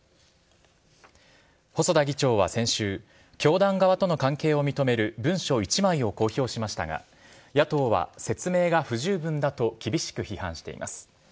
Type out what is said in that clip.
細田議長は先週教団側との関係を認める文書一枚を公表しましたが野党は説明が不十分だと厳しく批判しています。